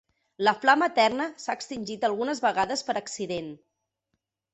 La flama eterna s'ha extingit algunes vegades per accident.